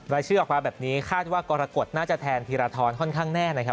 รายชื่อออกมาแบบนี้คาดว่ากรกฎน่าจะแทนธีรทรค่อนข้างแน่นะครับ